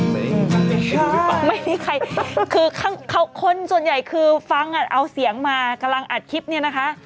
ไม่มีใครคือคนส่วนใหญ่คือฟังอ่ะเอาเสียงมากำลังอัดคลิปเนี่ยนะคะ